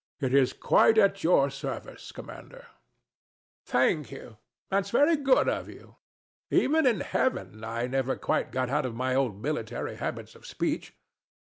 It is quite at your service, Commander. THE STATUE. Thank you: that's very good of you. Even in heaven, I never quite got out of my old military habits of speech.